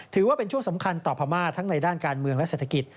ถือว่าเป็นช่วงสำคัญต่อพม่าทั้งในด้านการเมืองและเศรษฐกิจ